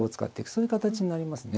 そういう形になりますね。